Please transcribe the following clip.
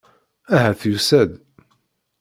Ahat yusa-d.